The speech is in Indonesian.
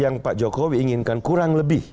yang pak jokowi inginkan kurang lebih